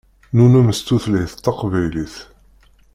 Numen s tutlayt taqbaylit.